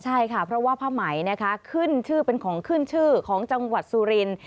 ใช่ค่ะเพราะว่าผ้าไหมเป็นของขึ้นชื่อของจังหวัดสุรินทร์